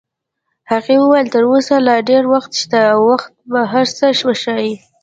هغې وویل: تر اوسه لا ډېر وخت شته او وخت به هر څه وښایي.